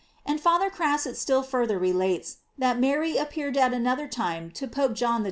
J And Father Crasset still further relates, that Mary appeared at another time to Pope John XXII.